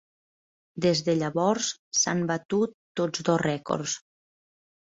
Des de llavors, s'han batut tots dos rècords.